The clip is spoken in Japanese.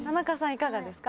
いかがですか？